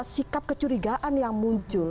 sikap kecurigaan yang muncul